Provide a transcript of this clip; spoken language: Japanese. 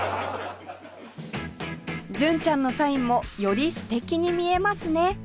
純ちゃんのサインもより素敵に見えますね